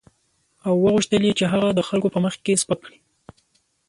او وغوښتل یې چې هغه د خلکو په مخ کې سپک کړي.